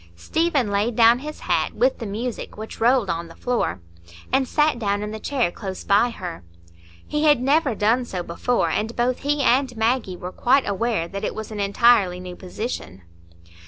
Stephen laid down his hat, with the music, which rolled on the floor, and sat down in the chair close by her. He had never done so before, and both he and Maggie were quite aware that it was an entirely new position.